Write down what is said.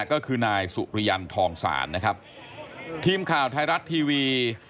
ก็คือนายสุริยันทองศาลนะครับทีมข่าวไทยรัฐทีวี